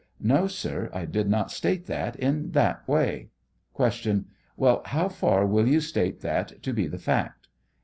No, sir ; I did not state that in that way. Q. Well, how far will you state that to be the fact